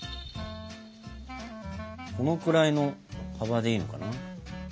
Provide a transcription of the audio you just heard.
このくらいの幅でいいのかな。